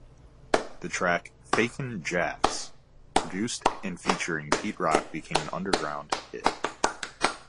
The track "Fakin' Jax", produced and featuring Pete Rock, became an underground hit.